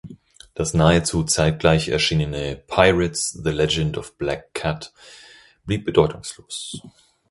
Das nahezu zeitgleich erschienene "Pirates: The Legend of Black Kat" blieb bedeutungslos.